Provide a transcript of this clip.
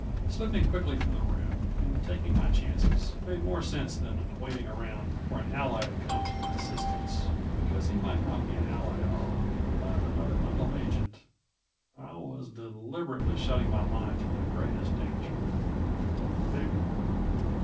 Slipping quickly from the room and taking my chances made more sense than waiting around for an ally to come to my assistance, because he might not be an ally at all, but another Wendel agent. I was deliberately shutting my mind to the greatest danger the Big One.